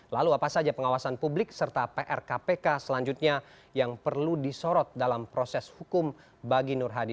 lalu apa saja pengawasan publik serta pr kpk selanjutnya yang perlu disorot dalam proses hukum bagi nur hadi